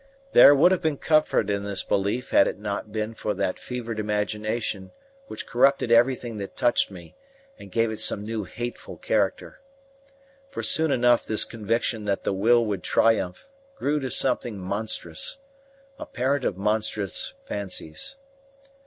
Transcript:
There would have been comfort in this belief had it not been for that fevered imagination which corrupted everything that touched me and gave it some new hateful character. For soon enough this conviction that the will would triumph grew to something monstrous, a parent of monstrous fancies.